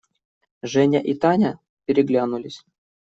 Женя и Таня переглянулись.